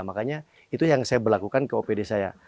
makanya itu yang saya berlakukan ke opd saya